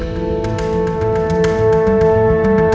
dia masih masih muda